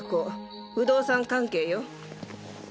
不動産関係よ。